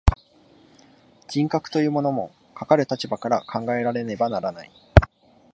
人格というものも、かかる立場から考えられねばならない。